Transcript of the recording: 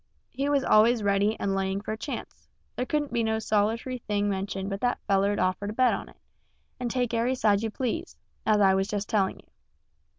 He was always ready and laying for a chance; there couldn't be no solit'ry thing mentioned but that feller'd offer to bet on it, and take ary side you please, as I was just telling you.